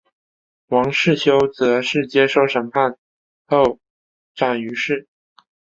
王世修则是接受审判后斩于市。